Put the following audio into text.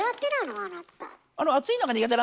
あなた。